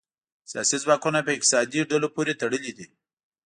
سیاسي ځواکونه په اقتصادي ډلو پورې تړلي دي